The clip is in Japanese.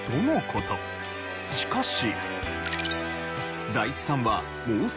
しかし。